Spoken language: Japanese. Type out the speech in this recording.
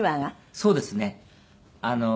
そうですね。